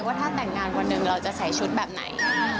ว่าถ้าแต่งงานวันหนึ่งเราจะใส่ชุดแบบไหน